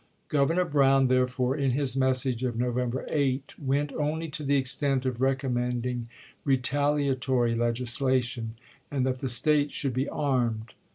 Governor Brown, therefore, in his mes sage of November 8, went only to the extent of i860. recommending retaliatory legislation, and that the State should be armed.